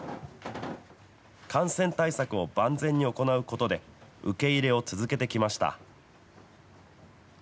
感染対策を万全に行うことで、受け入れを続けてきました。